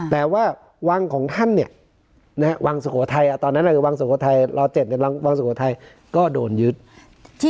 แต่ว่าวังของท่านวังสุโฆภัยตอนนั้นวังสุโฆภัยร้อย๗ก็โดดยุทธ์